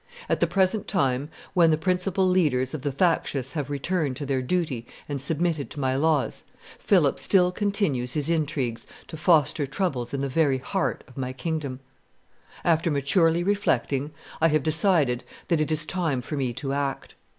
At the present time, when the principal leaders of the factious have returned to their duty and submitted to my laws, Philip still continues his intrigues to foster troubles in the very heart of my kingdom. After maturely reflecting, I have decided that it is time for me to act.